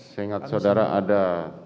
saya ingat soedara ada